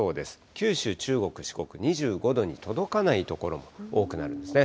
九州、中国、四国、２５度に届かない所も多くなるんですね。